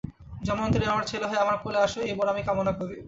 জন্মান্তরে তুমি আমার ছেলে হয়ে আমার কোলে এসো এই বর আমি কামনা করি।